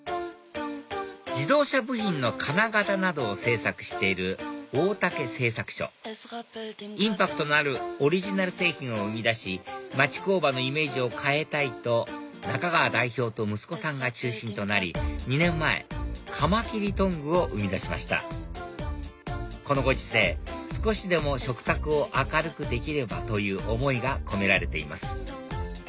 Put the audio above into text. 自動車部品の金型などを製作している大竹製作所インパクトのあるオリジナル製品を生み出し町工場のイメージを変えたいと中川代表と息子さんが中心となり２年前カマキリトングを生み出しましたこのご時世少しでも食卓を明るくできればという思いが込められています